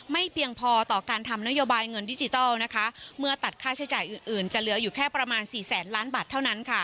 ไม่เพียงพอต่อการทำนโยบายเงินดิจิทัลเมื่อตัดค่าใช้จ่ายอื่นจะเหลืออยู่แค่พรม๔๐๐๐๐๐บาทเท่านั้น